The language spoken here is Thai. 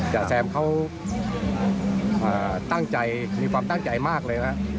จ่าแซมเขาตั้งใจมีความตั้งใจมากเลยนะ